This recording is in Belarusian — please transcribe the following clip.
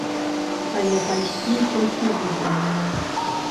Але пайшлі толькі выбраныя.